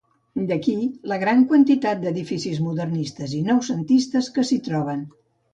D'aquí la gran quantitat d'edificis modernistes i noucentistes que s’hi troben.